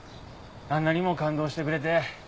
あんなにも感動してくれて。